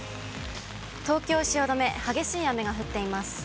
東京・汐留、激しい雨が降っています。